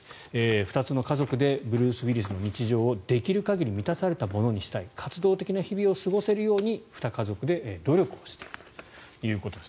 ２つの家族でブルース・ウィリスの日常をできる限り満たされたものにしたい活動的な日々を過ごせるように２家族で努力をしているということです。